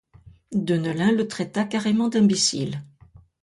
Deneulin le traita carrément d'imbécile.